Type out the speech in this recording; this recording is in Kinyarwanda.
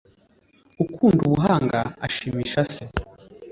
ukunda ubuhanga ashimisha se